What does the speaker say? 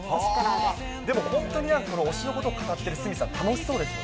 でも本当になんか推しのことを語っている鷲見さん、楽しそうです